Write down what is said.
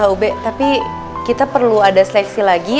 ube tapi kita perlu ada seleksi lagi